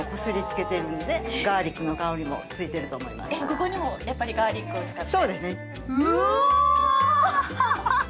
ここにもやっぱりガーリックを使って。